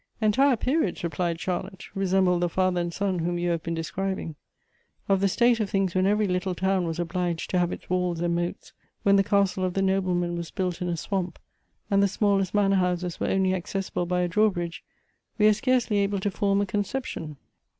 "Entire periods," replied Charlotte, "resemble the father and son whom you have been describing. Of the state of things when every little town was obliged to have its walls and moats, when the castle of the noble man was built in a swamp, and the smallest manor houses were only accessible by a draw bridge, we are scarcely able to form a conception.